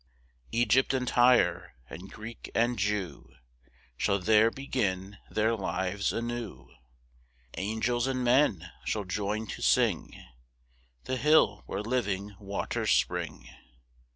4 Egypt and Tyre, and Greek and Jew, Shall there begin their lives anew: Angels and men shall join to sing The hill where living waters spring.